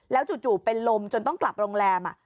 จู่เป็นลมจนต้องกลับโรงแรม